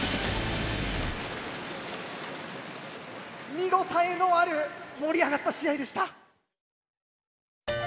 見応えのある盛り上がった試合でした。